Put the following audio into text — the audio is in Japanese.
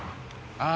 あ！